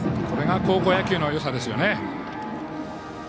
これが高校野球のよさですよね。